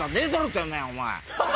てめえお前」。